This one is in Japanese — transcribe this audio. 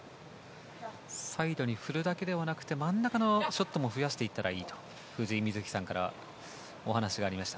サイドに振るだけではなくて真ん中のショットも増やしていったらいいと藤井瑞希さんからお話がありました。